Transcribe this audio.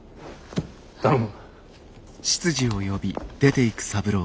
頼む。